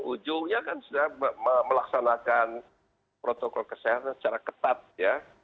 ujungnya kan sudah melaksanakan protokol kesehatan secara ketat ya